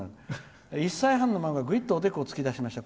「１歳半の孫がぐいっとおでこを突き出しました。